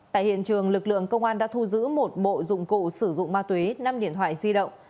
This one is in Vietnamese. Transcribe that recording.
tại hiện trường lực lượng công an đã thu giữ một bộ dụng cụ sử dụng ma túy năm điện thoại di động